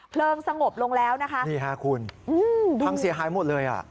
เพลิงสงบลงแล้วนะคะดูนี่ค่ะคุณทั้งเสียหายหมดเลย